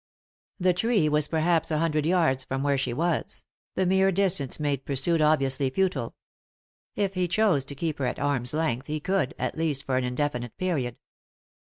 The tree was perhaps a hundred yards from where she was ; the mere distance made pursuit ob viously futile. If he chose to keep her at arm's length he could, at least for an indefinite period.